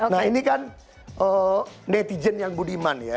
nah ini kan netizen yang budiman ya